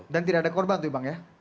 dan tidak ada korban tuh bang ya